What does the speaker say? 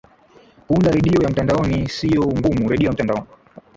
kuunda redio ya mtandaoni siyo ngumuredio ya mtandaoni